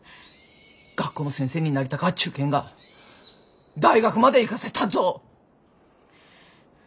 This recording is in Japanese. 学校の先生になりたかっち言うけんが大学まで行かせたっぞ。